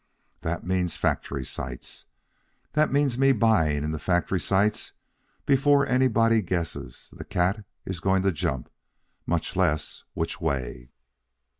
That means factory sites. That means me buying in the factory sites before anybody guesses the cat is going to jump, much less, which way.